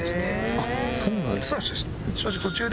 あっそうなんですね。